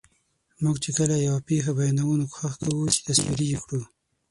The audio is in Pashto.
موږ چې کله یوه پېښه بیانوو، نو کوښښ کوو چې تصویري یې کړو.